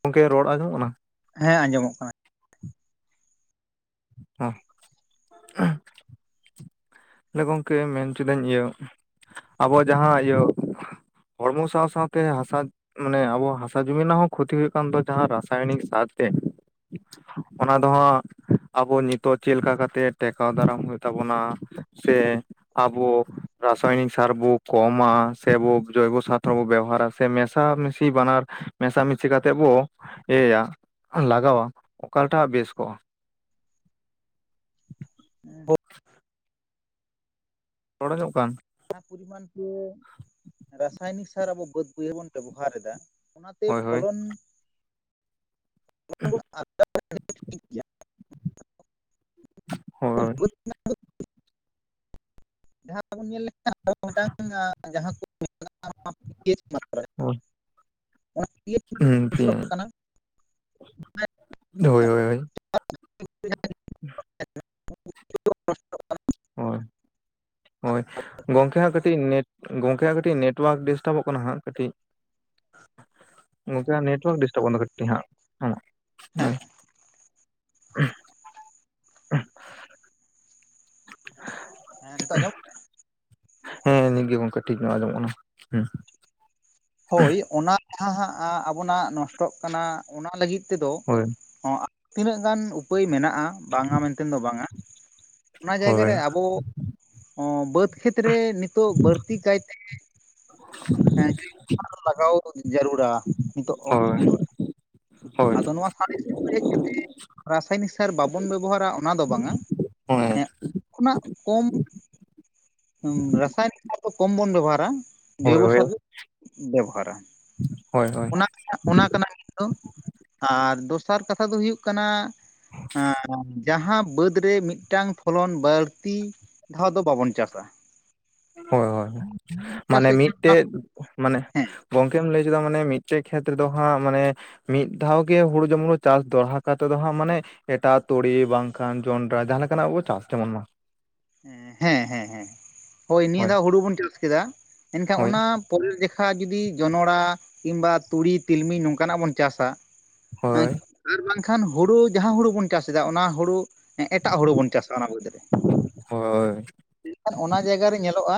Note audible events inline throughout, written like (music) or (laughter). ᱜᱚᱢᱠᱮ ᱨᱚᱲ ᱟᱸᱡᱚᱢᱚᱜ ᱠᱟᱱᱟ? ᱦᱮᱸ ᱟᱸᱡᱚᱢᱚᱜ ᱠᱟᱱᱟ᱾ ᱦᱮᱸ᱾ ᱜᱚᱢᱠᱮ ᱢᱮᱱ ᱚᱪᱚ ᱤᱫᱟᱹᱧ ᱤᱭᱟᱹ ᱟᱵᱚ ᱡᱟᱦᱟᱸ ᱤᱭᱟᱹ ᱦᱚᱲᱢᱚ ᱥᱟᱶ ᱥᱟᱶᱛᱮ ᱦᱟᱸᱥᱟ ᱢᱟᱱᱮ ᱟᱵᱚ ᱦᱟᱥᱟ ᱡᱩᱢᱤ ᱨᱮᱱᱟᱜ ᱦᱚᱸ ᱠᱷᱚᱛᱤ ᱦᱩᱭᱩᱜ ᱠᱟᱱ ᱫᱚ ᱡᱟᱦᱟᱸ ᱨᱟᱥᱟᱭᱚᱱᱤᱠ ᱥᱟᱨ ᱛᱮ ᱚᱱᱟ ᱫᱚ ᱦᱟᱸᱜ ᱟᱵᱚ ᱱᱤᱛᱚᱜ ᱪᱮᱫ ᱞᱮᱠᱟ ᱠᱟᱛᱮ ᱴᱮᱠᱟᱣ ᱫᱟᱨᱟᱢ ᱦᱩᱭᱩᱜ ᱛᱟᱵᱚᱱᱟ ᱥᱮ ᱟᱵᱚ ᱨᱟᱥᱟᱭᱱᱤᱠ ᱥᱟᱨ ᱵᱚ ᱠᱚᱢᱟ ᱥᱮᱵᱚ ᱡᱚᱭᱵᱚ ᱥᱟᱨ ᱨᱮᱵᱚ ᱵᱮᱵᱚᱦᱟᱨᱟ ᱥᱮ ᱢᱮᱥᱟᱢᱤᱥᱤ ᱵᱟᱱᱟᱨ ᱢᱮᱥᱟᱢᱤᱥᱤ ᱠᱟᱛᱮᱫ ᱵᱚ ᱤᱭᱟᱹᱭᱟ᱾ ᱞᱟᱜᱟᱣᱟ ᱚᱠᱟᱴᱟᱜ ᱵᱮᱥ ᱠᱚᱜᱼᱟ ᱦ (unintelligible) ᱨᱚᱲᱚ ᱧᱚᱜ ᱠᱟᱱ ᱡᱟᱦᱟᱸ ᱯᱚᱨᱤᱢᱟᱱ ᱛᱮ ᱨᱟᱥᱟᱭᱱᱤᱠ ᱥᱟᱨ ᱟᱵᱚ ᱵᱟᱹᱫ ᱵᱟᱹᱭᱦᱟᱹᱲ ᱵᱚᱱ ᱵᱮᱵᱚᱦᱟᱨ ᱮᱫᱟ ᱚᱱᱟ ᱦᱳᱭ ᱦᱳᱭ ᱯᱷᱚᱞᱚᱱ (inaudible) ᱦᱳᱭ ᱡᱟᱦᱟᱸᱵᱚᱱ ᱧᱮᱞ ᱞᱮᱠᱷᱟᱱ ᱟᱵᱚ ᱢᱤᱫᱴᱟᱝ ᱡᱟᱦᱟᱸ ᱠᱚ (unintelligible) ᱦᱮᱸ (unintelligible) ᱦᱳᱭ ᱦᱳᱭ ᱦᱳᱭ ᱦᱳᱭ ᱦᱳᱭ ᱜᱚᱝᱠᱮ ᱦᱟᱸᱜ ᱠᱟᱴᱤᱡ ᱜᱚᱝᱠᱮᱭᱟᱜᱟᱸᱜ ᱠᱟᱹᱴᱤᱡ ᱱᱮᱴᱚᱣᱟᱨᱠ ᱰᱤᱥᱴᱟᱵᱚᱜ ᱠᱟᱱᱟ ᱦᱟᱸᱜ ᱠᱟᱹᱴᱤᱡ ᱜᱚᱢᱠᱮ ᱟᱜ ᱱᱮᱴᱚᱣᱟᱨᱠ ᱰᱤᱥᱴᱟᱵᱚᱜ ᱠᱟᱱᱟ ᱠᱟᱹᱴᱤᱡ ᱦᱮᱸ᱾ ᱦᱮᱸ ᱦᱳᱭ (unintelligible) ᱦᱮᱸ ᱱᱤᱛᱚᱜ ᱟᱸᱡᱚᱢ ᱦᱮᱸ ᱱᱤᱜᱮ ᱜᱚᱝᱠᱮ ᱴᱷᱤᱠ ᱧᱚᱜ ᱟᱸᱡᱚᱢᱚᱜ ᱠᱟᱱᱟ ᱦᱮᱸ ᱦᱳᱭ ᱚᱱᱟ ᱡᱟᱦᱟᱸ ᱟᱵᱚᱱᱟᱜ ᱱᱚᱥᱴᱚᱜ ᱠᱟᱱᱟ ᱚᱱᱟ ᱞᱟᱹᱜᱤᱫ ᱛᱮᱫᱚ ᱦᱳᱭ ᱦᱚᱸ ᱛᱤᱱᱟᱹᱜ ᱜᱟᱱ ᱩᱯᱟᱹᱭ ᱢᱮᱱᱟᱜᱼᱟ ᱵᱟᱝᱟ ᱢᱮᱱᱛᱮ ᱫᱚ ᱵᱟᱝᱟ ᱚᱱᱟ ᱡᱟᱭᱜᱟ ᱦᱳᱭ ᱨᱮ ᱟᱵᱚ ᱵᱟᱹᱫᱽ ᱠᱷᱮᱛᱨᱮ ᱱᱤᱛ ᱛᱚ ᱵᱟᱹᱲᱛᱤ ᱠᱟᱭᱛᱮ ᱦᱮᱸ ᱞᱟᱜᱟᱣ ᱡᱟᱹᱨᱩᱲᱟ ᱱᱤᱛᱚᱜ ᱦᱳᱭ ᱚᱠᱛᱚ ᱨᱮ ᱦᱳᱭ ᱟᱫᱚ ᱱᱚᱣᱟ ᱥᱟᱨ (inaudible) ᱨᱟᱥᱟᱭᱱᱤᱠ ᱥᱟᱨ ᱵᱟᱵᱚᱱ ᱵᱮᱵᱚᱦᱟᱨᱟ ᱚᱱᱟ ᱫᱚ ᱵᱟᱝᱟ ᱦᱳᱭ ᱦᱮᱸ ᱠᱷᱚᱱᱟᱜ ᱠᱚᱢ ᱨᱟᱥᱟᱭᱱᱤᱠᱟᱨ ᱫᱚ ᱠᱚᱢ ᱵᱚᱱ ᱵᱮᱵᱚᱦᱟᱨᱟ ᱦᱳᱭ ᱡᱳᱵ ᱦᱳᱭ ᱥᱟᱨᱜᱮ ᱵᱮᱵᱚᱦᱟᱨᱟ ᱦᱳᱭ ᱦᱳᱭ ᱚᱱᱟ ᱠᱟᱱᱟ ᱢᱤᱛ ᱫᱚ ᱟᱨ ᱫᱚᱥᱟᱨ ᱠᱟᱛᱷᱟ ᱫᱚ ᱦᱩᱭᱩᱜ ᱠᱟᱱᱟ ᱦᱮᱸ ᱡᱟᱦᱟᱸ ᱵᱟᱹᱫᱽ ᱢᱩᱫᱽ ᱨᱮ ᱢᱤᱫᱴᱟᱝ ᱯᱷᱚᱞᱚᱱ ᱵᱟᱹᱲᱛᱤ ᱫᱷᱟᱣ ᱫᱚ ᱵᱟᱵᱚᱱ ᱪᱟᱥᱟ ᱦᱳᱭ ᱦᱳᱭ ᱢᱟᱱᱮ ᱪᱟᱥᱮᱫ ᱠᱷᱟᱱ ᱚᱱᱟ ᱢᱤᱫᱴᱮᱡ ᱢᱟᱱᱮ ᱦᱮᱸ ᱜᱚᱝᱠᱮᱢ ᱞᱟᱹᱭ ᱠᱮᱫᱟ ᱢᱟᱱᱮ ᱢᱤᱫᱴᱮᱡ ᱠᱷᱮᱛ ᱨᱮᱫᱚ ᱦᱟᱸᱜ ᱢᱟᱱᱮ ᱢᱤᱫ ᱫᱷᱟᱣ ᱜᱮ ᱦᱩᱲᱩ ᱡᱩᱢᱲᱩ ᱪᱟᱥ ᱫᱚᱦᱲᱟ ᱠᱟᱛᱮᱫ ᱫᱚᱦᱟᱸᱜ ᱢᱟᱱᱮ ᱮᱴᱟᱜ ᱛᱩᱲᱤ ᱵᱟᱝᱠᱷᱟᱱ ᱡᱚᱱᱰᱨᱟ ᱡᱟᱦᱟᱸ ᱞᱮᱠᱟᱱᱟᱜ ᱵᱚ ᱪᱟᱥ ᱡᱮᱢᱚᱱ ᱢᱟ ᱦᱮᱸ ᱦᱮᱸ ᱦᱮᱸ ᱦᱳᱭ ᱱᱤᱭᱟᱹ ᱫᱷᱟᱣ ᱦᱩᱲᱩ ᱵᱚᱱ ᱪᱟᱥ ᱠᱮᱫᱟ ᱮᱱᱠᱷᱟᱱ ᱦᱳᱭ ᱚᱱᱟ ᱯᱚᱨᱮ ᱞᱮᱠᱷᱟ ᱡᱩᱫᱤ ᱡᱚᱱᱚᱲᱟ ᱠᱤᱢᱵᱟ ᱛᱩᱲᱤ ᱛᱤᱞᱢᱤ ᱱᱚᱝᱠᱟᱱᱟᱜ ᱵᱚᱱ ᱪᱟᱥᱟ ᱦᱳᱭ (unintelligible) ᱟᱨ ᱵᱟᱝᱠᱷᱟᱱ ᱦᱩᱲᱩ ᱡᱟᱦᱟᱸ ᱦᱩᱲᱩ ᱵᱚᱱ ᱪᱟᱥ ᱮᱫᱟ ᱚᱱᱟ ᱦᱩᱲᱩ ᱮᱴᱟᱜ ᱦᱩᱲᱩ ᱵᱚᱱ ᱪᱟᱥᱟ ᱚᱱᱟ ᱵᱟᱹᱜᱤ ᱠᱟᱛᱮ ᱦᱳᱭ ᱢᱮᱱᱠᱷᱟᱱ ᱚᱱᱟ ᱡᱟᱭᱜᱟ ᱨᱮ ᱧᱮᱞᱚᱜᱼᱟ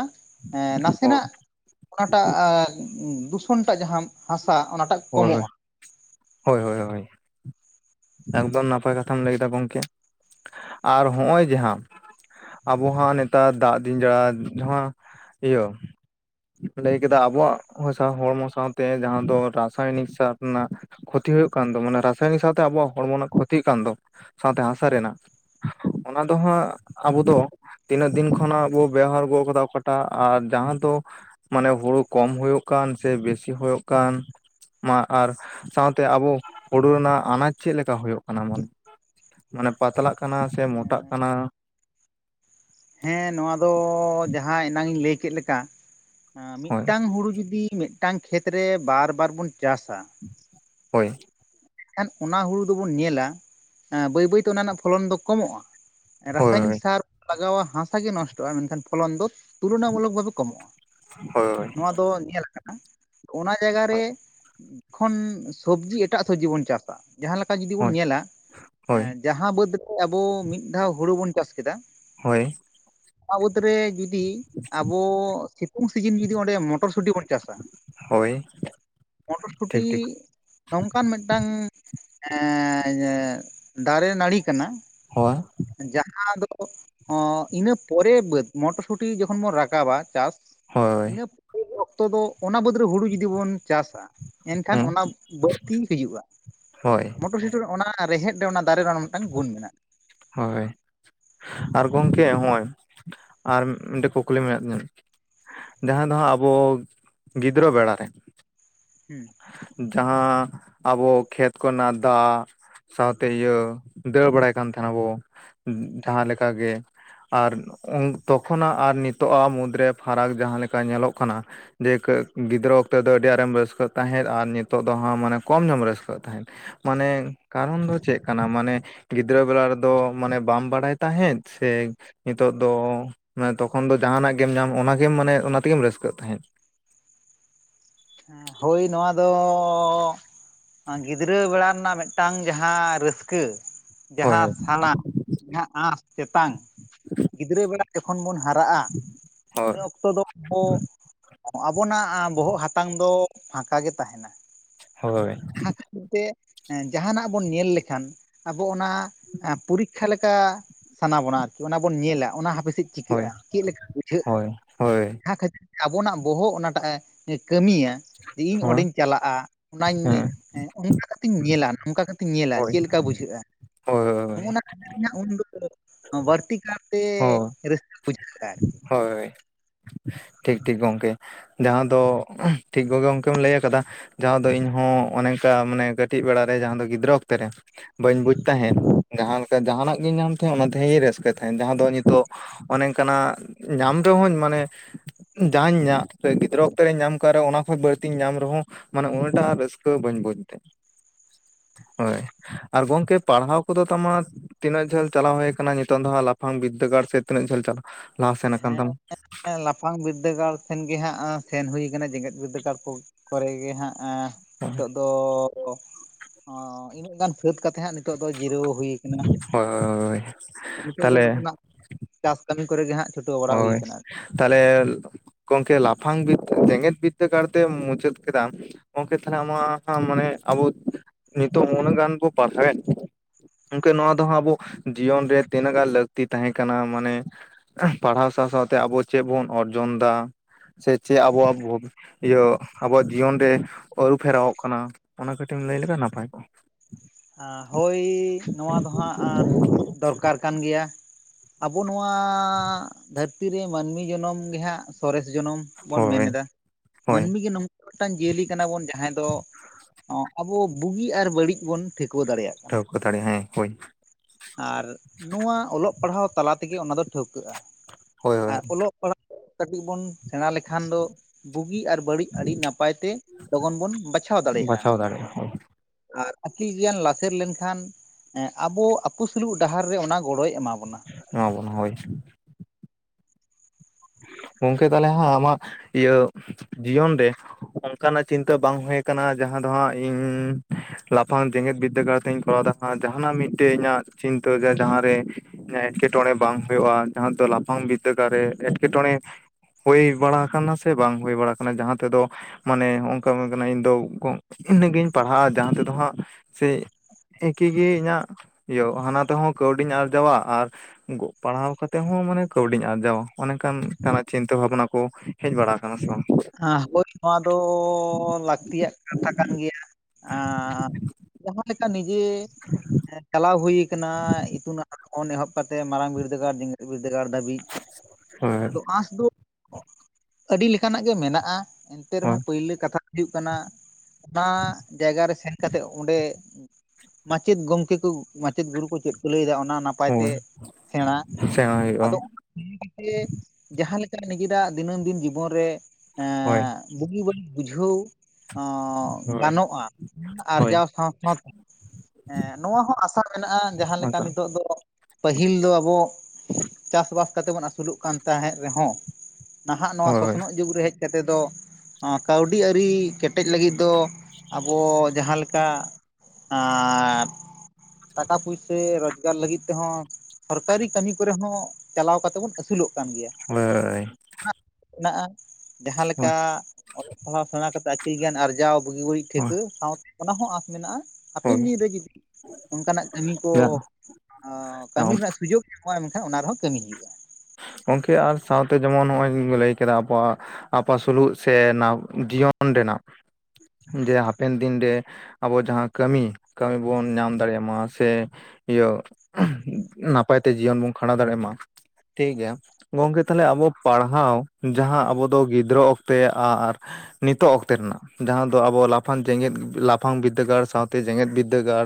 ᱦᱳᱭ ᱱᱟᱥᱮᱱᱟᱜ ᱚᱱᱟᱴᱟᱜ ᱫᱩᱥᱚᱱᱴᱟᱜ ᱡᱟᱦᱟᱸ ᱦᱟᱥᱟ ᱚᱱᱟᱴᱟᱜ ᱦᱳᱭ ᱠᱚᱢᱚᱜᱼᱟ ᱦᱳᱭ ᱦᱳᱭ ᱦᱳᱭ ᱮᱠᱫᱚᱢ ᱱᱟᱯᱟᱭ ᱠᱟᱛᱷᱟᱢ ᱞᱟᱹᱭᱫᱟ ᱜᱚᱢᱠᱮ ᱟᱨ ᱦᱚᱸᱜᱼᱚᱭ ᱡᱟᱦᱟᱸ ᱟᱵᱚ ᱦᱟᱸ ᱱᱮᱛᱟᱨ ᱫᱟᱜ ᱫᱤᱱ ᱡᱟ ᱡᱟᱦᱟᱸ ᱤᱭᱟᱹ ᱞᱟᱹᱭ ᱠᱮᱫᱟ ᱟᱵᱚᱣᱟᱜ ᱦᱚᱲᱢᱚ ᱥᱟᱶᱛᱮ ᱡᱟᱦᱟᱸ ᱫᱚ ᱨᱟᱥ ᱨᱟᱥᱟᱭᱚᱱᱤᱠ ᱥᱟᱟᱨ ᱨᱮᱱᱟᱜ ᱠᱷᱚᱛᱤ ᱦᱩᱭᱩᱜ ᱠᱟᱱ ᱫᱚ ᱢᱟᱱᱮ ᱨᱟᱥᱟᱭᱚᱱᱤᱠ ᱥᱟᱶᱛᱮ ᱟᱵᱚᱣᱟᱜ ᱦᱚᱲᱢᱚ ᱨᱮᱱᱟᱜ ᱠᱷᱚᱛᱤᱜ ᱠᱟᱱ ᱫᱚ ᱥᱟᱶᱛᱮ ᱦᱟᱥᱟ ᱨᱮᱱᱟᱜ ᱚᱱᱟ ᱫᱚ ᱦᱟᱸᱜ ᱟᱵᱚ ᱫᱚ ᱛᱤᱱᱟᱹᱜ ᱫᱤᱱ ᱠᱷᱚᱱᱟᱜ ᱵᱚ ᱵᱮᱣᱦᱟᱨ ᱜᱚᱫ ᱠᱟᱫᱟ ᱚᱠᱟᱴᱟᱜ ᱟᱨ ᱡᱟᱦᱟᱸ ᱫᱚ ᱢᱟᱱᱮ ᱦᱩᱲᱩ ᱠᱚᱢ ᱦᱩᱭᱩᱜ ᱠᱟᱱ ᱥᱮ ᱵᱮᱥᱤ ᱦᱩᱭᱩᱜ ᱠᱟᱱ ᱢᱟ ᱟᱨ ᱥᱟᱶᱛᱮ ᱟᱵᱚ ᱦᱩᱲᱩ ᱨᱮᱱᱟᱜ ᱟᱱᱟᱡᱽ ᱪᱮᱫᱞᱮᱠᱟ ᱦᱩᱭᱩᱜ ᱠᱟᱱᱟ ᱢᱟᱱᱮ ᱢᱟᱱᱮ ᱯᱟᱛᱞᱟᱜ ᱠᱟᱱᱟ ᱥᱮ ᱢᱚᱴᱟᱜ ᱠᱟᱱᱟ ᱦᱮᱸ ᱱᱚᱣᱟ ᱫᱚ ᱡᱟᱦᱟᱸ ᱮᱱᱟᱝ ᱤᱧ ᱞᱟᱹᱭ ᱠᱮᱫ ᱞᱮᱠᱟ ᱦᱳᱭ ᱢᱤᱫᱴᱟᱝ ᱦᱩᱲᱩ ᱡᱩᱫᱤ ᱢᱤᱫᱴᱟᱝ ᱠᱷᱮᱛ ᱨᱮ ᱵᱟᱨ ᱵᱟᱨ ᱵᱚᱱ ᱪᱟᱥᱟ ᱦᱳᱭ ᱠᱷᱟᱱ ᱚᱱᱟ ᱦᱩᱲᱩ ᱫᱚᱵᱚᱱ ᱧᱮᱞᱟ ᱵᱟᱹᱭ ᱵᱟᱹᱭᱛᱮ ᱚᱱᱟ ᱨᱮᱱᱟᱜ ᱯᱷᱚᱞᱚᱱ ᱫᱚ ᱠᱚᱢᱚᱜᱼᱟ ᱾ ᱨᱟᱥᱟᱭᱚᱱᱤᱠ ᱦᱳᱭ ᱥᱟᱨ ᱞᱟᱜᱟᱣᱟ ᱦᱟᱥᱟ ᱜᱮ ᱱᱚᱥᱴᱚᱜᱼᱟ ᱢᱮᱱᱠᱷᱟᱱ ᱯᱷᱚᱞᱚᱱ ᱫᱚ ᱛᱩᱞᱚᱱᱟᱢᱩᱞᱚᱠ ᱵᱷᱟᱵᱮ ᱠᱚᱢᱚᱜᱼᱟ ᱦᱳᱭ ᱱᱚᱣᱟ ᱫᱚ ᱧᱮᱞ ᱠᱟᱱᱟ ᱾ ᱚᱱᱟ ᱡᱟᱭᱜᱟ ᱨᱮ ᱠᱷᱚᱱ ᱥᱚᱵᱽᱡᱤ ᱮᱴᱟᱜ ᱥᱚᱵᱽᱡᱤ ᱵᱚᱱ ᱪᱟᱥᱟ ᱾ ᱡᱟᱦᱟᱸ ᱞᱮᱠᱟ ᱡᱩᱫᱤ ᱵᱚᱱ ᱦᱳᱭ ᱧᱮᱞᱟ ᱦᱳᱭ ᱡᱟᱦᱟᱸ ᱵᱟᱹᱫᱽ ᱨᱮ ᱟᱵᱚ ᱢᱤᱫ ᱫᱷᱟᱣ ᱦᱩᱲᱩ ᱵᱚᱱ ᱪᱟᱥ ᱠᱮᱫᱟ ᱦᱳᱭ ᱚᱱᱟ ᱵᱟᱹᱫᱽ ᱨᱮ ᱡᱩᱫᱤ ᱟᱵᱚ ᱥᱤᱛᱩᱝ ᱥᱤᱡᱤᱱ ᱡᱩᱫᱤ ᱚᱸᱰᱮ ᱢᱚᱴᱚᱨ ᱥᱩᱴᱤ ᱵᱚᱱ ᱦᱳᱭ ᱢᱚᱴᱨᱚ ᱥᱩᱴᱤ ᱴᱷᱤᱠ ᱴᱷᱤᱠ ᱱᱚᱝᱠᱟᱱ ᱢᱤᱫᱴᱟᱝ ᱫᱟᱨᱮ ᱱᱟᱹᱲᱤ ᱠᱟᱱᱟ ᱾ ᱦᱳᱭ ᱡᱟᱦᱟᱸ ᱫᱚ ᱤᱱᱟᱹ ᱯᱚᱨᱮ ᱵᱟᱹᱫᱽ ᱢᱚᱴᱚᱨ ᱥᱩᱴᱤ ᱡᱚᱠᱷᱚᱱ ᱵᱚᱱ ᱨᱟᱠᱟᱵᱟ ᱪᱟᱥ ᱦᱳᱭ ᱤᱱᱟᱹ ᱚᱠᱛᱚ ᱫᱚ ᱚᱱᱟ ᱵᱟᱹᱫᱽ ᱨᱮ ᱦᱩᱲᱩ ᱡᱩᱫᱤᱵᱚᱱ ᱪᱟᱥᱟ ᱮᱱᱠᱷᱟᱱ ᱦᱮᱸ ᱚᱱᱟ ᱵᱟᱹᱲᱛᱤ ᱦᱤᱡᱩᱜᱼᱟ ᱦᱳᱭ ᱢᱚᱴᱚᱨ ᱥᱩᱴᱤ ᱚᱱᱟ ᱨᱮᱦᱮᱫ ᱨᱮ ᱚᱱᱟ ᱫᱟᱨᱮ ᱨᱮᱱᱟᱜ ᱦᱚᱸ ᱚᱱᱟ ᱢᱤᱫᱴᱟᱝ ᱜᱩᱱ ᱢᱮᱱᱟᱜᱼᱟ ᱾ ᱦᱳᱭ ᱟᱨ ᱜᱚᱢᱠᱮ ᱱᱚᱜᱼᱚᱭ ᱟᱨ ᱢᱤᱫᱴᱮᱱ ᱠᱩᱠᱞᱤ ᱢᱮᱱᱟᱜ ᱛᱤᱧᱟᱹ ᱡᱟᱦᱟᱸ ᱫᱚ ᱦᱟᱸᱜ ᱟᱵᱚ ᱜᱤᱫᱽᱨᱟᱹ ᱵᱮᱲᱟ ᱦᱩᱸ ᱡᱟᱦᱟᱸ ᱟᱵᱚ ᱠᱷᱮᱛ ᱠᱚᱨᱮᱱᱟᱜ ᱫᱟᱜ ᱥᱟᱶᱛᱮ ᱤᱭᱟᱹ ᱫᱟᱹᱲ ᱵᱟᱲᱟᱭ ᱠᱟᱱ ᱛᱟᱦᱮᱱᱟ ᱵᱚ ᱡᱟᱦᱟᱸ ᱞᱮᱠᱟ ᱜᱮ ᱾ ᱟᱨ ᱛᱚᱠᱷᱚᱱᱟᱜ ᱟᱨ ᱱᱤᱛᱚᱜᱟᱜ ᱢᱩᱫᱽᱨᱮ ᱯᱷᱟᱨᱟᱠ ᱡᱟᱦᱟᱸ ᱞᱮᱠᱟ ᱧᱮᱞᱚᱜ ᱠᱟᱱᱟ ᱞᱟᱹᱭᱟᱠᱚ ᱜᱤᱫᱽᱨᱟᱹ ᱚᱠᱛᱮ ᱫᱚ ᱟᱹᱰᱤ ᱟᱴᱮᱢ ᱨᱟᱹᱥᱠᱟᱹᱜ ᱾ ᱛᱟᱦᱮᱸᱫ ᱟᱨ ᱱᱤᱛᱚᱜ ᱫᱚ ᱟᱢ ᱢᱟᱱᱮ ᱠᱚᱢ ᱧᱚᱜ ᱮᱢ ᱨᱟᱹᱥᱠᱟᱹᱜ ᱠᱟᱱᱟ᱾ ᱢᱟᱱᱮ ᱠᱟᱨᱚᱱ ᱫᱚ ᱪᱮᱫ ᱠᱟᱱᱟ ᱢᱟᱱᱮ ᱜᱤᱫᱽᱨᱟᱹ ᱵᱮᱲᱟ ᱨᱮᱫᱚ ᱢᱟᱱᱮ ᱵᱟᱢ ᱵᱟᱲᱟᱭ ᱛᱟᱦᱮᱸᱫ ᱥᱮ ᱱᱤᱛᱚᱜ ᱫᱚ ᱚᱱᱮ ᱛᱚᱠᱷᱚᱱ ᱫᱚ ᱡᱟᱦᱟᱱᱟᱜ ᱜᱮᱢ ᱧᱟᱢ ᱚᱱᱟᱜᱮᱢ ᱢᱟᱱᱮ ᱚᱱᱟ ᱛᱮᱜᱮᱢ ᱨᱟᱹᱥᱠᱟᱹᱜ ᱛᱟᱦᱮᱸᱫ ᱾ ᱦᱳᱭ ᱱᱚᱣᱟ ᱫᱚ ᱜᱤᱫᱽᱨᱟᱹ ᱵᱮᱲᱟ ᱨᱮᱱᱟᱜ ᱢᱤᱫᱴᱟᱝ ᱡᱟᱦᱟᱸ ᱨᱟᱹᱥᱠᱟᱹ ᱦᱳᱭ ᱡᱟᱦᱟᱸ ᱥᱟᱞᱟᱜ ᱡᱟᱦᱟᱸ ᱟᱸᱥ ᱛᱮᱛᱟᱝ ᱜᱤᱫᱽᱨᱟᱹ ᱵᱮᱲᱟ ᱡᱚᱠᱷᱚᱱ ᱵᱚᱱ ᱦᱟᱨᱟᱜᱼᱟ ᱦᱳᱭ ᱤᱱᱟ ᱚᱠᱛᱚ ᱫᱚ (unintelligible) ᱟᱵᱚᱱᱟᱜ ᱵᱚᱦᱚᱜ ᱦᱟ ᱠᱷᱟᱱ ᱫᱚ ᱯᱷᱟᱸᱠᱟ ᱜᱮ ᱛᱟᱦᱮᱸᱱᱟ ᱦᱳᱭ ᱡᱮ ᱡᱟᱦᱟᱱᱟᱜ ᱵᱚᱱ ᱧᱮᱞ ᱞᱮᱠᱷᱟᱱ ᱟᱵᱚ ᱚᱱᱟ ᱯᱚᱨᱤᱠᱠᱷᱟ ᱞᱮᱠ ᱞᱮᱠᱟ ᱥᱟᱱᱟ ᱵᱚᱱᱟ ᱟᱨᱠᱤ ᱚᱱᱟ ᱵᱚᱱ ᱧᱮᱞᱟ ᱚᱱᱟ ᱦᱟᱹᱯᱮᱥᱤᱫ (unintelligible) ᱦᱳᱭ ᱪᱤᱠᱟᱹᱜᱼᱟ ᱪᱮᱫ ᱞᱮᱠᱟ ᱵᱩᱡᱷᱟᱹᱜ, ᱦᱳᱭ ᱦᱳᱭ ᱡᱟᱦᱟᱸ ᱠᱷᱟᱹᱛᱤᱨ ᱛᱮ ᱟᱵᱚᱱᱟᱜ ᱵᱚᱦᱚᱜ ᱚᱱᱟᱴᱟᱜ ᱮ ᱠᱟᱹᱢᱤᱭᱟ ᱡᱮ ᱤᱧ ᱦᱳᱭ ᱚᱸᱰᱮᱧ ᱪᱟᱞᱟᱜᱼᱟ ᱚᱱᱟᱧ ᱦᱮᱸ ᱚᱱᱠᱟ ᱠᱟᱛᱮᱧ ᱧᱮᱞᱟ ᱱᱚᱝᱠᱟ ᱠᱟᱛᱮ ᱧᱮᱞᱟ ᱦᱳᱭ ᱪᱮᱫ ᱞᱮᱠᱟ ᱵᱩᱡᱷᱟᱹᱜᱼᱟ ᱦᱳᱭ ᱾ ᱦᱳᱭ ᱱᱚᱼᱚᱜ ᱱᱟ ᱠᱷᱟᱹᱛᱤᱨ ᱜᱮ ᱱᱟᱦᱟᱜ ᱩᱱ ᱦᱤᱞᱚᱜ ᱫᱚ ᱵᱟᱹᱲᱛᱤ ᱠᱟᱨᱛᱮ ᱦᱳᱭ ᱨᱟᱹᱥᱠᱟᱹ ᱵᱩᱡᱷᱟᱹᱜᱼᱟ᱾ ᱦᱳᱭ ᱴᱷᱤᱠ ᱴᱷᱤᱠ ᱜᱚᱝᱠᱮ ᱡᱟᱦᱟᱸ ᱫᱚ ᱴᱷᱤᱠ ᱜᱮ ᱜᱚᱝᱠᱮᱢ ᱞᱟᱹᱭ ᱟᱠᱟᱫᱟ ᱾ ᱡᱟᱦᱟᱸ ᱫᱚ ᱤᱧᱦᱚᱸ ᱚᱱᱮ ᱚᱱᱠᱟ ᱢᱟᱱᱮ ᱠᱟᱹᱴᱤᱡ ᱵᱮᱲᱟᱨᱮ ᱡᱟᱦᱟᱸ ᱫᱚ ᱜᱤᱫᱽᱨᱟᱹ ᱚᱠᱛᱮ ᱨᱮ ᱵᱟᱹᱧ ᱵᱩᱡ ᱛᱟᱦᱮᱸᱫ ᱡᱟᱦᱟᱸ ᱞᱮᱠᱟ ᱡᱟᱦᱟᱸᱱᱟᱜ ᱜᱤᱧ ᱧᱟᱢ ᱛᱟᱦᱮᱸ ᱚᱱᱟ ᱛᱮᱦᱚᱤᱧ ᱨᱟᱹᱥᱠᱟᱹᱜ ᱛᱟᱦᱮᱸᱫ ᱡᱟᱦᱟᱸ ᱫᱚ ᱱᱤᱛᱚᱜ ᱚᱱᱮ ᱚᱱᱠᱟᱱᱟᱜ ᱧᱟᱢ ᱨᱮᱦᱚᱧ ᱢᱟᱱᱮ ᱡᱟᱦᱟᱸᱟᱧ ᱧᱟᱢ ᱜᱤᱫᱽᱨᱟᱹ ᱚᱠᱛᱮ ᱨᱤᱧ ᱧᱟᱢ ᱠᱟᱫ ᱨᱮᱦᱚᱸ ᱚᱱᱟ ᱠᱷᱚᱡ ᱵᱟᱹᱲᱛᱤᱧ ᱧᱟᱢ ᱨᱮᱦᱚᱸ ᱢᱟᱱᱮ ᱩᱱᱟᱹᱴᱟᱜ ᱦᱟᱸ ᱨᱟᱹᱥᱠᱟᱹ ᱵᱟᱹᱧ ᱵᱩᱡᱫᱟ ᱾ ᱦᱳᱭ, ᱟᱨ ᱜᱚᱝᱠᱮ ᱯᱟᱲᱦᱟᱣ ᱠᱚᱫᱚ ᱛᱟᱢᱟ ᱛᱤᱱᱟᱹᱜ ᱡᱷᱟᱹᱞ ᱪᱟᱞᱟᱣ ᱦᱩᱭ ᱟᱠᱟᱱᱟ ᱱᱤᱛᱚᱝ ᱫᱚ ᱦᱟᱸᱜ ᱞᱟᱯᱷᱟᱝ ᱵᱤᱫᱫᱟᱹᱜᱟᱲ ᱥᱮᱛ ᱛᱤᱱᱟᱹᱡᱷᱟᱹᱞ ᱪᱟᱞᱟᱣ? ᱞᱟᱦᱟ ᱥᱮᱱ ᱠᱟᱱ ᱛᱟᱢᱟ? ᱯᱷᱟᱝ ᱵᱤᱫᱽᱫᱟᱹᱜᱟᱲ ᱥᱮᱱᱜᱮ ᱦᱟᱸᱜ ᱥᱮᱱ ᱦᱳᱭ ᱠᱟᱱᱟ ᱡᱮᱜᱮᱛ ᱵᱤᱨᱽᱫᱟᱹᱜᱟᱲ ᱠᱚ ᱠᱚᱨᱮ ᱜᱮ ᱦᱟᱸᱜ ᱾ ᱱᱤᱛᱚᱜ ᱫᱚ ᱚ ᱚ ᱤᱱᱟᱹᱜ ᱜᱟᱱ ᱥᱟᱹᱛ ᱠᱟᱛᱮ ᱦᱟᱸᱜ ᱱᱤᱛᱚᱜ ᱫᱚ ᱡᱤᱨᱟᱹᱣ ᱦᱩᱭ ᱠᱟᱱᱟ ᱦᱳᱭ ᱦᱳ ᱦᱳᱭ ᱱᱤᱛᱚᱜ ᱫᱚ ᱛᱟᱦᱞᱮ ᱟᱵᱚᱱᱟᱜ ᱪᱟᱥ ᱠᱟᱹᱢᱤ ᱠᱚᱨᱮ ᱜᱮ ᱦᱟᱸᱜ ᱾ ᱦᱳᱭ ᱛᱟᱦᱞᱮ ᱜᱚᱝᱠᱮ ᱞᱟᱯᱷᱟᱝ ᱵᱤᱫᱽᱫᱟᱹ ᱡᱮᱜᱮᱫ ᱵᱤᱫᱽᱫᱟᱹᱜᱟᱲ ᱛᱮᱢ ᱢᱩᱪᱟᱹᱫ ᱠᱮᱫᱟᱢ ᱚᱝᱠᱮ ᱛᱟᱦᱞᱮ ᱟᱢᱟᱜ ᱢᱟᱱᱮ ᱟᱵᱚ ᱱᱤᱛᱚᱜ ᱩᱱᱟᱹᱜ ᱜᱟᱱ ᱵᱚ ᱯᱟᱲᱦᱟᱣᱮᱫ ᱚᱝᱠᱮ ᱱᱚᱣᱟ ᱫᱚ ᱦᱟᱸᱜ ᱟᱵᱚ ᱡᱤᱭᱚᱱ ᱨᱮ ᱛᱤᱱᱟᱹᱜ ᱜᱟᱱ ᱞᱟᱹᱠᱛᱤ ᱛᱟᱦᱮᱸ ᱠᱟᱱᱟ ᱢᱟᱱᱮ ᱯᱟᱲᱦᱟᱣ ᱥᱟᱶ ᱥᱟᱶᱛᱮ ᱟᱵᱚ ᱪᱮᱫ ᱵᱚᱱ ᱚᱨᱡᱚᱱ ᱫᱟ ᱥᱮ ᱪᱮᱫ ᱟᱵᱚᱣᱟᱜ ᱤᱭᱟᱹ ᱟᱵᱚᱣᱟᱜ ᱡᱤᱭᱚᱱ ᱨᱮ ᱟᱹᱨᱩ ᱯᱷᱮᱨᱟᱣᱚᱜ ᱠᱟᱱᱟ ᱚᱱᱟ ᱠᱟᱹᱴᱤᱜ ᱮᱢ ᱞᱟᱹᱭ ᱞᱮᱠᱷᱟᱱ ᱱᱟᱯᱟᱭ ᱠᱚᱜᱼᱟ ᱾ ᱟ ᱦᱳᱭ ᱱᱚᱣᱟ ᱫᱚ ᱦᱟᱸᱜ ᱟᱸ ᱫᱚᱨᱠᱟᱨ ᱠᱟᱱ ᱜᱮᱭᱟ ᱾ ᱟᱵᱚ ᱱᱚᱣᱟᱻ ᱫᱷᱟᱹᱨᱛᱤ ᱨᱮ ᱢᱟᱹᱱᱢᱤ ᱡᱚᱱᱚᱢ ᱜᱮ ᱦᱟᱸᱜ ᱥᱚᱨᱮᱥ ᱡᱚᱱᱚᱢ ᱵᱚᱱ ᱠᱚᱜᱼᱟ ᱢᱮᱱ ᱦᱳᱭ ᱮᱫᱟ ᱦᱳᱭ ᱢᱟᱹᱱᱢᱤ ᱜᱮ ᱱᱚᱝ ᱢᱤᱫᱴᱟᱝ ᱡᱤᱭᱟᱹᱞᱤ ᱠᱟᱱᱟ ᱵᱚᱱ ᱡᱟᱦᱟᱸᱭ ᱫᱚ ᱚᱜ ᱟᱵᱚ ᱵᱩᱜᱤ ᱟᱨ ᱵᱟᱹᱲᱤᱡ ᱵᱚᱱ ᱠᱩᱣᱟᱹ ᱫᱟᱲᱮᱭᱟᱜ ᱠᱟᱱᱟ ᱾ (unintelligible) ᱦᱮᱸ ᱦᱳᱭ ᱟᱨ ᱱᱚᱣᱟ ᱚᱞᱚᱜ ᱯᱟᱲᱦᱟᱣ ᱛᱟᱞᱟ ᱛᱮᱜᱮ ᱚᱱᱟ ᱫᱚ ᱴᱷᱟᱹᱣᱠᱟᱹᱜᱼᱟ ᱦᱳᱭ ᱟᱨ ᱦᱳᱭ ᱚᱞᱚᱜ ᱯᱟᱲᱦᱟ ᱠᱟᱹᱴᱤᱡ ᱵᱚᱱ ᱥᱮᱬᱟ ᱞᱮᱠᱷᱟᱱ ᱫᱚ ᱵᱩᱜᱤ ᱟᱨ ᱵᱟᱹᱲᱤᱡ ᱟᱹᱰᱤ ᱱᱟᱯᱟᱭ ᱛᱮ ᱞᱚᱜᱚᱱ ᱵᱚᱱ ᱵᱟᱪᱷᱟᱣ ᱫᱟᱲᱮᱭᱟᱜᱼᱟ ᱾ ᱵᱟᱪᱷᱟᱣ ᱫᱟᱲᱮᱭᱟᱜᱼᱟ ᱦᱳᱭ ᱟᱨ ᱟᱹᱠᱤᱞ ᱜᱮᱭᱟᱱ ᱞᱟᱥᱮᱨ ᱞᱮᱱᱠᱷᱟᱱ ᱮ ᱟᱵᱚ ᱟᱯ ᱯᱩᱥᱩᱞᱩᱜ ᱰᱟᱦᱟᱨ ᱨᱮ ᱚᱱᱟ ᱜᱚᱲᱚᱭ ᱮᱢᱟ ᱵᱚᱱᱟ ᱾ ᱮᱢᱟ ᱵᱚᱱᱟ ᱦᱳᱭ ᱾ ᱜᱚᱝᱠᱮ ᱛᱟᱦᱞᱮ ᱦᱟᱸᱜ ᱟᱢᱟᱜ ᱤᱭᱟᱹ ᱡᱤᱭᱚᱱ ᱨᱮ ᱚᱝᱠᱟᱱᱟᱜ ᱪᱤᱱᱛᱟᱹ ᱵᱟᱝ ᱦᱳᱭ ᱠᱟᱱᱟ ᱡᱟᱦᱟᱸ ᱫᱚ ᱦᱟᱸᱜ ᱤᱧ ᱞᱟᱯᱷᱟᱝ ᱡᱮᱜᱮᱛ ᱵᱤᱫᱽᱫᱟᱹᱜᱟᱲ ᱛᱮᱧ ᱠᱚᱨᱟᱣ ᱫᱟ ᱦᱟ ᱡᱟᱦᱟᱱᱟᱜ ᱢᱤᱫᱴᱮᱜ ᱤᱧᱟᱹᱜ ᱪᱤᱱᱛᱟᱹ ᱡᱮ ᱡᱟᱦᱟᱸᱨᱮ ᱤᱧᱟ ᱮᱸᱴᱠᱮᱴᱚᱬᱮ ᱵᱟᱝ ᱦᱳᱭᱳᱜᱼᱟ ᱡᱟᱦᱟᱸ ᱫᱚ ᱞᱟᱯᱷᱟᱝ ᱵᱤᱫᱽᱫᱟᱹᱜᱟᱲ ᱨᱮ ᱮᱸᱴᱠᱮᱴᱚᱬᱮ ᱦᱳᱭ ᱵᱟᱲᱟ ᱠᱟᱱᱟ ᱥᱮ ᱵᱟᱝ ᱦᱳᱭ ᱵᱟᱲᱟ ᱠᱟᱱᱟ ᱡᱟᱦᱟᱸ ᱛᱮᱫᱚ ᱢᱟᱱᱮ ᱦᱚᱜ-ᱚᱝᱠᱟ ᱠᱟᱱᱟ ᱤᱧ ᱫᱚ ᱤᱱᱟᱹᱜ ᱜᱤᱧ ᱯᱟᱲᱦᱟᱜᱼᱟ ᱡᱟᱦᱟᱸ ᱛᱮᱫᱚ ᱦᱟᱸᱜ ᱥᱮ ᱮᱠᱤ ᱜᱮ ᱤᱧᱟᱹᱜ ᱤᱭᱟᱹ ᱦᱟᱱᱟ ᱛᱮᱦᱚᱸ ᱠᱟᱹᱣᱰᱤᱧ ᱟᱨᱡᱟᱣᱟ ᱟᱨ ᱜᱚ ᱯᱟᱲᱦᱟᱣ ᱠᱟᱛᱮᱜ ᱦᱚᱸ ᱢᱟᱱᱮ ᱠᱟᱹᱣᱰᱤᱧ ᱟᱨᱡᱟᱣᱟ ᱾ ᱚᱱᱮᱠᱟᱱ ᱠᱟᱱᱟᱜ ᱪᱤᱱᱛᱟᱹ ᱵᱷᱟᱵᱱᱟ ᱠᱚ ᱦᱮᱡ ᱵᱟᱲᱟ ᱟᱠᱟᱱᱟ ᱥᱮ ᱵᱟᱝᱟ? ᱟ ᱦᱳᱭ ᱱᱚᱣᱟ ᱫᱚᱻ ᱞᱟᱹᱠᱛᱤᱭᱟᱜ ᱠᱟᱛᱷᱟ ᱠᱟᱱ ᱜᱮᱭᱟ ᱾ ᱟ ᱡᱟᱦᱟᱸ ᱞᱮᱠᱟ ᱱᱤᱡᱮ ᱪᱟᱞᱟᱣ ᱦᱳᱭ ᱠᱟᱱᱟ ᱤᱛᱩᱱ (unintelligible) ᱠᱷᱚᱱ ᱮᱦᱚᱵ ᱠᱟᱛᱮᱜ ᱢᱟᱨᱟᱝ ᱵᱤᱨᱫᱟᱹᱜᱟᱲ ᱡᱮᱜᱮᱛ ᱵᱤᱨᱫᱟᱹᱜᱟᱲ ᱫᱷᱟᱹᱵᱤᱡ ᱾ ᱦᱳᱭ ᱟᱫᱚ ᱟᱸᱥ ᱫᱚ ᱟᱹᱰᱤ ᱞᱮᱠᱟᱱᱟᱜ ᱜᱮ ᱢᱮᱱᱟᱜᱼᱟ ᱮᱱ ᱛᱮ ᱦᱳᱭ ᱨᱮᱦᱚᱸ ᱯᱟᱹᱭᱞᱟᱹ ᱠᱟᱛᱷᱟ ᱫᱚ ᱦᱳᱭᱳᱜ ᱠᱟᱱᱟ ᱚᱱᱟ ᱡᱟᱭᱜᱟ ᱨᱮ ᱥᱮᱱ ᱠᱟᱛᱮᱜ ᱚᱸᱰᱮ ᱢᱟᱪᱮᱫ ᱜᱚᱝᱠᱮ ᱠᱚ ᱢᱟᱪᱮᱫ ᱜᱩᱨᱩ ᱠᱚ ᱪᱮᱫ ᱠᱚ ᱞᱟᱹᱭ ᱫᱟ ᱚᱱᱟ ᱱᱟᱯ ᱯᱟᱭ ᱛᱮ ᱦᱳᱭ ᱥᱮᱬᱟ ᱥᱮᱬᱟ ᱦᱩᱭᱩᱜᱼᱟ ᱟᱫᱚ (inaudible) ᱛᱮ ᱡᱟᱦᱟᱸ ᱞᱮᱠᱟ ᱱᱤᱡᱮᱨᱟᱜ ᱫᱤᱱᱟᱹᱢ ᱫᱤᱱ ᱡᱤᱵᱚᱱ ᱨᱮ ᱮᱸ ᱦᱳᱭ ᱵᱩᱜᱤ ᱵᱟᱹᱲᱤᱡ ᱵᱩᱡᱷᱟᱹᱣ ᱚ ᱦᱳᱭ ᱜᱟᱱᱚᱜᱼᱟ ᱦᱳᱭ ᱟᱨᱡᱟᱣ ᱥᱟᱶ ᱥᱟᱶᱛᱮ ᱦᱮᱸ ᱱᱚᱣᱟ ᱦᱚᱸ ᱟᱥᱟ ᱢᱮᱱᱟᱜᱼᱟ ᱡᱟᱦᱟᱸ ᱞᱮᱠᱟ ᱟᱪᱪᱷᱟ ᱱᱤᱛᱚᱜ ᱫᱚ ᱯᱟᱹᱦᱤᱞ ᱫᱚ ᱟᱵᱚ ᱪᱟᱥᱵᱟᱥ ᱠᱟᱛᱮ ᱵᱚᱱ ᱟᱹᱥᱩᱞᱚᱜ ᱠᱟᱱ ᱛᱟᱦᱮᱸᱜ ᱨᱮᱦᱚᱸ ᱱᱟᱦᱟᱜ ᱱᱚᱣᱟ ᱦᱳᱭ ᱦᱳᱭ ᱥᱚᱥᱱᱚᱜ ᱡᱩᱜᱽ ᱨᱮ ᱦᱮᱡ ᱠᱟᱛᱮ ᱫᱚ ᱠᱟᱹᱣᱰᱤ ᱟᱹᱨᱤ ᱠᱮᱴ ᱴᱮᱡ (unintelligible) ᱞᱟᱹᱜᱤᱫ ᱫᱚ ᱟᱵᱚ ᱡᱟᱦᱟᱸ ᱞᱮᱠᱟ ᱟᱨ ᱴᱟᱠᱟ ᱯᱩᱭᱥᱟᱹ ᱨᱚᱡᱽᱜᱟᱨ ᱞᱟᱹᱜᱤᱫ ᱛᱮᱦᱚᱸ ᱥᱚᱨᱠᱟᱨᱤ ᱠᱟᱹᱢᱤ ᱠᱚᱨᱮᱦ ᱪᱟᱞᱟᱣ ᱠᱟᱛᱮ ᱵᱚᱱ ᱟᱹᱥᱩᱞᱚᱜ ᱠᱟᱱ ᱜᱮᱭᱟ ᱞᱟᱹᱭ ᱢᱮᱱᱟᱜᱼᱟ ᱡᱟᱦᱟᱸ ᱞᱮᱠᱟ ᱚᱞᱚᱜ ᱯᱟᱲᱦᱟᱣ ᱥᱮᱬᱟ ᱠᱟᱛᱮᱫ ᱟᱹᱰᱤᱜᱟᱱ ᱟᱨᱡᱟᱣ ᱵᱩᱜᱤ ᱵᱟᱹᱲᱤᱡ ᱦᱳᱭ ᱴᱷᱤᱠᱟᱹ ᱥᱟᱶ ᱚᱱᱟ ᱦᱚᱸ ᱟᱸᱥ ᱢᱮᱱᱟᱜᱼᱟ ᱦᱟᱯᱮᱱ ᱦᱳᱭ ᱫᱤᱱ ᱨᱮ ᱡᱩᱫᱤ ᱚᱱᱠᱟᱱᱟᱜ ᱠᱟᱹᱢᱤ ᱠᱚ ᱠᱟᱹᱢᱤ ᱨᱮᱱᱟᱜ ᱥᱩᱡᱳᱜᱽ ᱱᱚᱜ ᱢᱮᱱᱠᱷᱟᱱ ᱚᱱᱟ ᱨᱮᱦᱚᱸ ᱠᱟᱹᱢᱤ ᱦᱩᱭᱩᱼᱟ ᱜᱚᱢᱠᱮ ᱟᱨ ᱥᱟᱶᱛᱮ ᱡᱮᱢᱚᱱ ᱱᱚᱜᱼᱚᱭ ᱞᱟᱹᱭ ᱠᱮᱫᱟ ᱟᱵᱚᱣᱟᱜ ᱟᱯᱟᱥᱩᱞᱩᱜ ᱥᱮ ᱚᱱᱟ ᱡᱤᱭᱚᱱ ᱨᱮᱱᱟᱜ ᱡᱮ ᱦᱟᱯᱮᱱ ᱫᱤᱱᱨᱮ ᱟᱵᱚ ᱡᱟᱦᱟᱸ ᱠᱟᱹᱢᱤ ᱠᱟᱹᱢᱤ ᱵᱚᱱ ᱧᱟᱢ ᱫᱟᱲᱮᱭᱟᱜ ᱢᱟ ᱥᱮ ᱤᱭᱟᱹ ᱱᱟᱯᱟᱭ ᱛᱮ ᱡᱤᱭᱚᱱ ᱵᱚᱱ ᱠᱷᱟᱸᱰᱟᱣ ᱫᱟᱲᱮᱜ ᱢᱟ ᱴᱷᱤᱠ ᱜᱮᱭᱟ ᱜᱚᱝᱠᱮ ᱛᱟᱦᱞᱮ ᱟᱵᱚ ᱯᱟᱲᱦᱟᱣ ᱡᱟᱦᱟᱸ ᱟᱵᱚ ᱫᱚ ᱜᱤᱫᱽᱨᱟᱹ ᱚᱠᱛᱮ ᱟᱨ ᱱᱤᱛᱚᱜ ᱚᱠᱛᱚ ᱨᱮᱱᱟᱜ ᱡᱟᱦᱟᱸ ᱫᱚ ᱟᱵᱚ ᱞᱟᱯᱷᱟᱝ ᱡᱮᱜᱮᱫ ᱞᱟᱯᱷᱟᱝ ᱵᱤᱫᱽᱫᱟᱹᱜᱟᱲ ᱥᱟᱶᱛᱮ ᱡᱮᱜᱮᱛ ᱵᱤᱫᱽᱫᱟᱹᱜᱟᱲ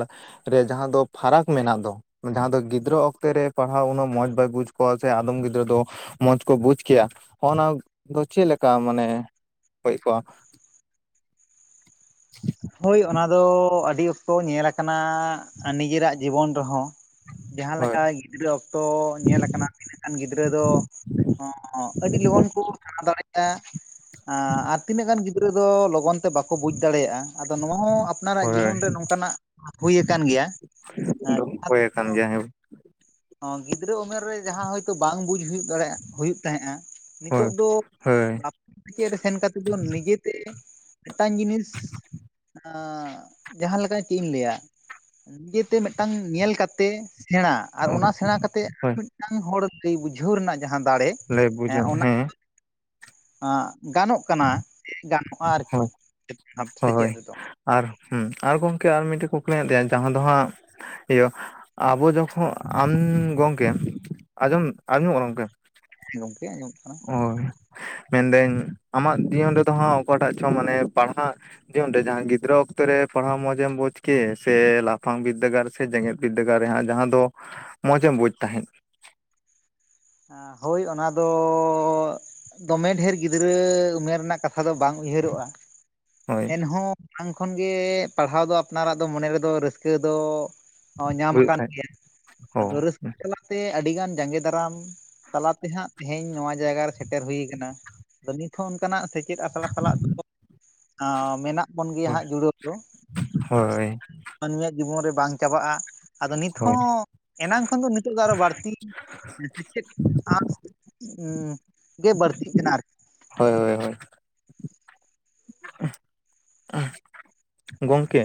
ᱨᱮ ᱡᱟᱦᱟᱸ ᱫᱚ ᱯᱷᱟᱨᱟᱠ ᱢᱮᱱᱟᱜ ᱫᱚ ᱡᱟᱦᱟᱸ ᱫᱚ ᱜᱤᱫᱽᱨᱟᱹ ᱚᱠᱛᱮ ᱨᱮ ᱯᱟᱲᱦᱟᱣ ᱩᱱᱟᱹᱜ ᱢᱚᱸᱡᱽ ᱵᱟᱭ ᱵᱩᱡᱽ ᱠᱚᱣᱟ ᱥᱮ ᱟᱫᱚᱢ ᱜᱤᱫᱽᱨᱟᱹ ᱫᱚ ᱢᱚᱸᱡᱽ ᱠᱚ ᱵᱩᱡᱽ ᱠᱮᱭᱟ ᱦᱚᱜᱱᱟ ᱫᱚ ᱪᱮᱫ ᱞᱮᱠᱟ ᱢᱟᱱᱮ (unintelligible) ᱦᱳᱭ ᱚᱱᱟ ᱫᱚ ᱟᱹᱰᱤ ᱚᱠᱛᱚ ᱧᱮᱞ ᱟᱠᱟᱱᱟ ᱱᱤᱡᱮᱨᱟᱜ ᱡᱤᱵᱚᱱ ᱨᱮᱦᱚᱸ ᱦᱳᱭ ᱡᱟᱦᱟᱸᱞᱮᱠᱟ ᱜᱤᱫᱽᱨᱟᱹ ᱚᱠᱛᱚ ᱧᱮᱞ ᱟᱠᱟᱱᱟ. ᱛᱤᱱᱟᱜ ᱜᱟᱱ ᱜᱤᱫᱽᱨᱟᱹ ᱫᱚ ᱦ ᱟᱹᱰᱤ ᱞᱚᱜᱚᱱ ᱠᱚ ᱥᱮᱬᱟ ᱫᱟᱲᱮᱭᱟᱜᱼᱟ ᱟᱨ ᱛᱤᱱᱟᱹᱜ ᱜᱟᱱ ᱜᱤᱫᱽᱨᱟᱹ ᱫᱚ ᱞᱚᱜᱚᱱ ᱛᱮ ᱵᱟᱠᱚ ᱵᱩᱡᱽ ᱫᱟᱲᱮᱭᱟᱜᱼᱟ ᱟᱫᱚ ᱱᱚᱣᱟ ᱟᱯᱱᱟᱨᱟᱜ ᱦᱳᱭ ᱦᱳᱭ ᱡᱤᱵᱚᱱ ᱨᱮ ᱱᱚᱝᱠᱟᱱᱟᱜ ᱦᱩᱭᱩ ᱟᱠᱟᱱ ᱜᱮᱭᱟ ᱡᱟᱦᱟᱸ ᱫᱚᱢ ᱦᱳᱭ ᱫᱚ ᱟᱠᱟᱱ ᱜᱮᱭᱟ ᱦᱮᱸ ᱜᱤᱫᱽᱨᱟᱹ ᱩᱢᱮᱨ ᱨᱮ ᱡᱟᱦᱟᱸ ᱦᱳᱭᱛᱳ ᱵᱟᱝ ᱵᱩᱡᱽ ᱦᱩᱭᱩᱜ ᱫᱟᱲᱮᱭᱟᱜ ᱦᱩᱭᱩᱜ ᱛᱟᱦᱮᱸᱜᱼᱟ ᱦᱳᱭ ᱱᱤᱛᱚᱜ ᱫᱚ ᱦᱳᱭ ᱞᱟᱯ (unintelligible) ᱥᱟᱪᱮᱫ ᱨᱮ ᱥᱮᱱᱛ ᱫᱚ ᱱᱤᱡᱮᱛᱮ ᱢᱤᱫᱴᱟᱝ ᱡᱤᱱᱤᱥ ᱡᱟᱦᱟᱸᱞᱮᱠᱟ ᱪᱮᱫ ᱤᱧ ᱞᱟᱹᱭᱟ ᱱᱤᱡᱮᱛᱮ ᱢᱤᱫᱴᱟᱝ ᱧᱮᱞ ᱠᱟᱛᱮ ᱥᱮᱬᱟ ᱟᱨ ᱚᱱᱟ ᱥᱮᱬᱟ ᱠᱟᱛᱮ ᱟᱨ ᱦᱳᱭ ᱢᱤᱫᱴᱟᱝ ᱦᱚᱲ ᱞᱟᱹᱭ ᱵᱩᱡᱷᱟᱹᱣ ᱨᱮᱱᱟᱜ ᱡᱟᱦᱟᱸ ᱫᱟᱲᱮ ᱞᱮᱟᱹᱭ ᱵᱩᱡᱽ ᱮᱱᱟ ᱦᱮᱸ ᱜᱟᱱᱚᱜ ᱠᱟᱱᱟ ᱜᱟᱱᱚᱜᱼᱟ ᱟᱨᱠᱤ ᱦᱳᱭ ᱥᱮᱪᱮᱫ ᱦᱳᱭ ᱨᱮᱫᱚ ᱟᱨ ᱦ ᱟᱨ ᱜᱚᱝᱠᱮ ᱟᱨ ᱢᱤᱫᱴᱮᱡ ᱠᱩᱠᱞᱤ ᱢᱮᱱᱟᱜ ᱛᱟᱭᱱᱟ ᱡᱟᱦᱟᱸ ᱫᱚ ᱦᱟᱸᱜ ᱤᱭᱟᱹ ᱟᱵᱚ ᱡᱚᱠᱷᱚᱱ ᱟᱢ ᱜᱚᱢᱠᱮ ᱟᱸᱡᱚᱢ ᱟᱸᱡᱚᱢ ᱜᱚᱢᱠᱮ ᱜᱚᱢᱠᱮ ᱟᱸᱡᱚᱢᱚᱜ ᱠᱟᱱᱟ ᱦᱳᱭ ᱢᱮᱱᱫᱟᱹᱧ ᱟᱢᱟᱜ ᱡᱤᱭᱚᱱ ᱨᱮᱫᱚ ᱦᱟᱸᱜ ᱚᱠᱟᱴᱟᱜ ᱪᱚᱝ ᱢᱟᱱᱮ ᱯᱟᱲᱦᱟᱜ ᱡᱤᱭᱚᱱ ᱡᱟᱦᱟᱸᱭ ᱜᱤᱫᱽᱨᱟᱹ ᱚᱠᱛᱚ ᱨᱮ ᱯᱟᱲᱦᱟᱣ ᱢᱚᱸᱡᱮᱢ ᱵᱩᱡᱽ ᱠᱮ ᱥᱮ ᱞᱟᱯᱷᱟᱝ ᱵᱤᱫᱽᱫᱟᱹᱜᱟᱲ ᱥᱮ ᱡᱮᱜᱮᱫ ᱵᱤᱫᱽᱫᱟᱹᱜᱟᱲ ᱨᱮᱦ ᱡᱟᱦᱟᱸ ᱫᱚ ᱢᱚᱸᱢ ᱵᱩᱡᱽ ᱛᱟᱦᱮᱸᱫ ᱦᱳᱭ ᱚᱱᱟᱫᱚ ᱫᱚᱢᱮ ᱰᱷᱮᱨ ᱜᱤᱫᱽᱨᱟᱹ ᱩᱢᱮᱨ ᱨᱮᱱᱟᱜ ᱠᱟᱛᱷᱟ ᱫᱚ ᱵᱟᱝ ᱩᱭᱦᱟᱹᱨᱚᱜᱼᱟ ᱦᱳᱭ ᱮᱱᱦᱚᱸ ᱢᱟᱲᱟᱝ ᱠᱷᱚᱱᱜᱮ ᱯᱟᱲᱦᱟᱣ ᱫᱚ ᱟᱯᱱᱟᱨᱟᱜ ᱫᱚ ᱢᱚᱱᱮ ᱨᱮᱫᱚ ᱨᱟᱹᱥᱠᱟᱹ ᱫᱚ ᱚ ᱧᱟᱢᱟ ᱵᱩᱡᱮᱫ ᱟᱠᱟᱱ ᱛᱟᱦᱮᱸᱫ ᱜᱮᱭᱟ ᱚ ᱟᱫᱚ ᱨᱟᱹᱥᱠᱟᱹ ᱛᱟᱞᱟᱛᱮ ᱟᱹᱰᱤᱜᱟᱱ ᱡᱟᱸᱜᱮ ᱫᱟᱨᱟᱢ ᱛᱟᱞᱟᱛᱮᱦᱟᱸᱜ ᱛᱮᱦᱮᱧ ᱱᱚᱣᱟ ᱡᱟᱭᱜᱟ ᱨᱮ ᱥᱮᱴᱮᱨ ᱦᱩᱭᱩ ᱟᱠᱟᱱᱟ ᱟᱫᱚ ᱱᱤᱛᱦ ᱚᱱᱠᱟᱱᱟᱜ ᱥᱮᱪᱮᱫ ᱥᱟᱞ ᱥᱟᱞᱟᱜ ᱫᱚ (unintelligible) ᱢᱮᱱᱟᱜ ᱵᱚᱱ ᱜᱮᱭᱟ ᱦᱳᱭ ᱦᱟᱸᱜ ᱡᱩᱲᱟᱹᱣ ᱫᱚ ᱦᱳᱭ ᱢᱟᱹᱱᱢᱤᱭᱟᱜ ᱡᱤᱵᱚᱱ ᱨᱮ ᱵᱟᱝ ᱪᱟᱵᱟᱜᱼᱟ ᱟᱫᱚ ᱱᱤᱛ ᱦᱳᱭ ᱦᱚᱸ ᱮᱱᱟᱝ ᱠᱷᱚᱱ ᱫᱚ ᱱᱤᱛᱚᱜ ᱫᱚ ᱟᱨᱚ ᱵᱟᱹᱲᱛᱤ ᱮᱫ ᱟ ᱜᱮ ᱵᱟᱹᱲᱛᱤᱜ ᱠᱟᱱᱟ ᱟᱨᱠᱤ ᱦᱳᱭ ᱦᱳᱭ ᱦᱳᱭ ᱜᱚᱝᱠᱮ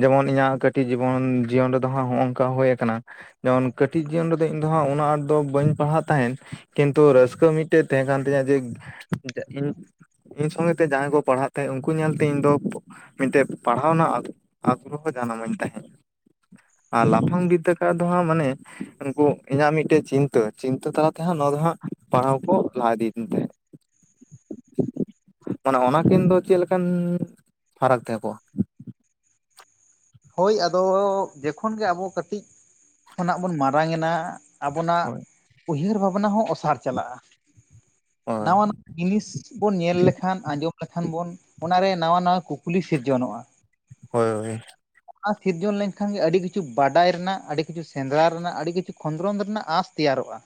ᱡᱮᱢᱚᱱ ᱤᱧᱟᱹᱜ ᱠᱟᱹᱴᱤᱡ ᱡᱤᱵᱚᱱ, ᱡᱤᱭᱚᱱ ᱨᱮᱫᱚ ᱦᱟᱸᱜ ᱦᱚᱸᱜ-ᱚᱝᱠᱟ ᱦᱩᱭ ᱟᱠᱟᱱᱟ ᱡᱮᱢᱚᱱ ᱠᱟᱹᱴᱤᱡ ᱡᱤᱭᱚᱱ ᱨᱮᱫᱚ ᱤᱧ ᱫᱚ ᱦᱟᱸᱜ ᱩᱱᱟᱹᱜ ᱟᱸᱴ ᱫᱚ ᱵᱟᱹᱧ ᱯᱟᱲᱦᱟᱜ ᱛᱟᱦᱮᱸᱫ ᱠᱤᱱᱛᱩ ᱨᱟᱹᱥᱠᱟᱹ ᱢᱤᱫ ᱢᱤᱫᱴᱮᱡ ᱛᱟᱦᱮᱸ ᱠᱟᱱ ᱛᱤᱧᱟᱹ ᱡᱮ ᱤᱧ ᱤᱧ ᱥᱚᱸᱜᱮ ᱛᱮ ᱡᱟᱦᱟᱸᱭ ᱠᱚ ᱯᱟᱲᱦᱟᱜ ᱛᱟᱦᱮᱸᱜ ᱩᱝᱠᱩ ᱧᱮᱞᱛᱮ ᱤᱧ ᱫᱚ ᱢᱤᱫᱴᱮᱡ ᱯᱟᱲᱦᱟᱣ ᱨᱮᱱᱟᱜ ᱟᱜᱨᱚᱦᱚ ᱡᱟᱱᱟᱢᱟᱹᱧ ᱛᱟᱦᱮᱸᱫ ᱟᱨ ᱞᱟᱯᱷᱟᱝ ᱵᱤᱫᱫᱟᱹᱜᱟᱲ ᱫᱚ ᱦᱟᱸᱜ ᱢᱟᱱᱮ ᱩᱱᱠᱩ ᱤᱧᱟᱹᱜ ᱢᱤᱫᱴᱮᱡ ᱪᱤᱱᱛᱟᱹ, ᱪᱤᱱᱛᱟᱹ ᱛᱟᱞᱟᱛᱮ ᱦᱟᱸᱜ ᱱᱚᱣᱟ ᱫᱚ ᱦᱟᱸᱜ ᱯᱟᱲᱦᱟᱣ ᱠᱚ ᱞᱟᱦᱟ ᱤᱫᱤᱭ ᱛᱤᱧ ᱛᱟᱦᱮᱸᱫ ᱢᱟᱱᱮ ᱚᱱᱟ ᱮᱠᱮᱱ ᱫᱚ ᱪᱮᱫ ᱞᱮᱠᱟᱱ ᱯᱷᱟᱨᱟᱠ ᱛᱟᱦᱮᱸ ᱠᱚᱜᱼᱟ ᱦᱳᱭ ᱟᱫᱚ ᱡᱚᱠᱷᱚᱱ ᱜᱮ ᱟᱵᱚ ᱠᱟᱹᱴᱤᱡ ᱠᱷᱚᱱᱟᱜ ᱵᱚᱱ ᱢᱟᱨᱟᱝ ᱮᱱᱟ ᱟᱵᱚᱱᱟᱜ ᱦᱳᱭ ᱩᱭᱦᱟᱹᱨ ᱵᱷᱟᱵᱱᱟ ᱦᱚᱸ ᱚᱥᱟᱨ ᱪᱟᱞᱟᱜᱼᱟ ᱦᱳᱭ ᱱᱟᱣᱟᱱᱟᱜ ᱡᱤᱱᱤᱥ ᱵᱚᱱ ᱧᱮᱞ ᱞᱮᱠᱷᱟᱱ ᱟᱸᱡᱚᱢ ᱞᱮᱠᱷᱟᱱ ᱵᱚᱱ ᱚᱱᱟᱨᱮ ᱱᱟᱣᱟ ᱱᱟᱣᱟ ᱠᱩᱠᱞᱤ ᱥᱤᱨᱡᱚᱱᱚᱜᱼᱟ ᱦᱳᱭ ᱦᱳᱭ ᱚᱱᱟ ᱥᱤᱨᱡᱚᱱ ᱞᱮᱱᱠᱷᱟᱱ ᱜᱮ ᱟᱹᱰᱤ ᱠᱤᱪᱷᱩ ᱵᱟᱰᱟᱭ ᱨᱮᱱᱟᱜ ᱟᱹᱰᱤ ᱠᱤᱪᱷᱩ ᱥᱮᱸᱫᱽᱨᱟ ᱨᱮᱱᱟᱜ ᱟᱹᱰᱤ ᱠᱤᱪᱷᱩ ᱠᱷᱚᱸᱫᱽᱨᱚᱸᱱ ᱨᱮᱱᱟᱜ ᱟᱥ ᱛᱮᱭᱟᱨᱚᱜᱼᱟ